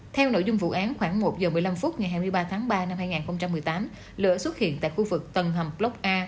theo nội dung vụ án khoảng một h một mươi năm phút ngày hai mươi ba tháng ba năm hai nghìn một mươi tám lửa xuất hiện tại khu vực tầng hầm block a